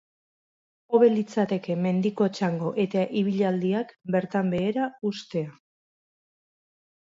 Hobe litzateke mendiko txango eta ibilaldiak bertan behera uztea.